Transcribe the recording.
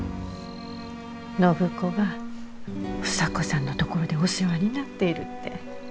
暢子が房子さんの所でお世話になっているって。